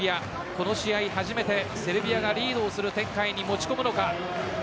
この試合、初めてセルビアがリードをする展開に持ち込むのか。